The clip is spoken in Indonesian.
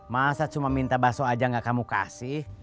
masa cuma minta baso aja gak kamu kasih